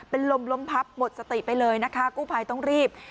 เป็นลมล้มพับหมดสติไปเลยนะคะกู้ภัยต้องรีบ